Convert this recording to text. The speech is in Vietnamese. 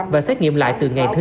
và xét nghiệm lại từ ngày thứ năm